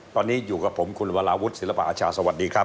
ตอนนี้อยู่กับผมคุณวราวุฒิศิลปะอาชาสวัสดีครับ